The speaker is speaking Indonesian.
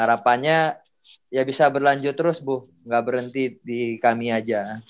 harapannya ya bisa berlanjut terus bu ga berhenti di kami aja